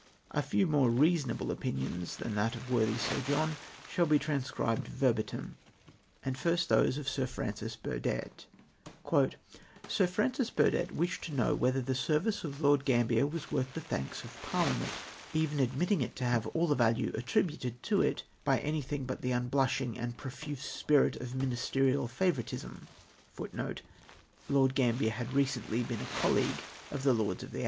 A few more reasonable opinions than that of worthy Sir John shall be transcribed verbatim, and first those of Sir Francis Burdett :—" Sir Francis Burdett wished to know whether the service of Lord Gfambier was worth the thanks of Parliament, even admitting it to have all the value attributed to it by anything but the unblushing and profuse spirit of ministerial favour itism.